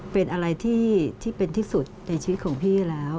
เป็นอะไรที่เป็นที่สุดในชีวิตของพี่แล้ว